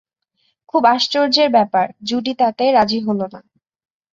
খুবই আশ্চর্যের ব্যাপার-জুডি তাতে রাজি হল না।